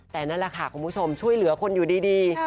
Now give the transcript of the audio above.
แต่นั่นแหละค่ะคุณผู้ชมช่วยเหลือคนอยู่ดี